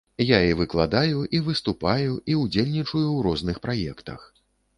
Я і выкладаю, і выступаю, і ўдзельнічаю ў розных праектах.